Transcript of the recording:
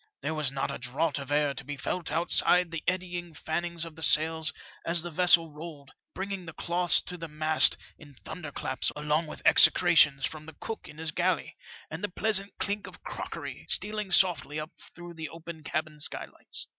There was not a draught of air to be felt outside the eddying fannings of the sails as the vessel rolled, bring ing the cloths to the mast in thunderclaps along with execrations from the cook in his galley, and a pleasant elink of crockery stealing softly up through the open cabin skylights.